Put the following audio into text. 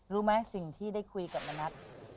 รู้ไหมสิ่งที่ได้คุยกับมณัฐ